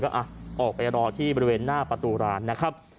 ก็ออกไปรอที่บริเวณหน้าประตูร้านนะครับ